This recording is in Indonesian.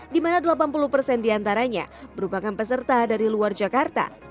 di mana delapan puluh persen diantaranya merupakan peserta dari luar jakarta